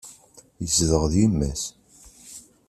Yezdeɣ d yemma-s.